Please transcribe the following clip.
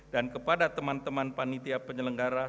dan kepada teman teman panitia penyelenggara